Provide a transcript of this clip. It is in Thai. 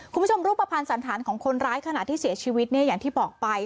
รูปภัณฑ์สันธารของคนร้ายขณะที่เสียชีวิตเนี่ยอย่างที่บอกไป